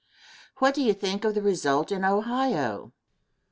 What do you think of the result in Ohio?